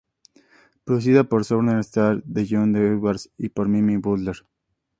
Producida por Southern Star de John Edwards y por Mimi Butler.